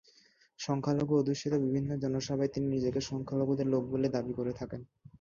সংখ্যালঘু-অধ্যুষিত বিভিন্ন জনসভায় তিনি নিজেকে সংখ্যালঘুদের লোক বলেই দাবি করে থাকেন।